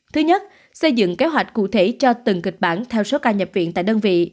thứ nhất xây dựng kế hoạch cụ thể cho từng kịch bản theo số ca nhập viện tại đơn vị